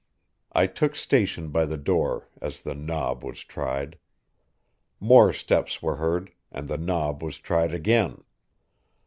I took station by the door as the knob was tried. More steps were heard, and the knob was tried again.